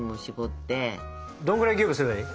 どんぐらいギューぶすればいい？